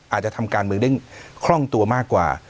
อาจจะทำการเมืองได้คล่องตัวมากกว่า